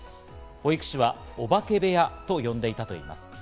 保育士はお化け部屋と呼んでいたといいます。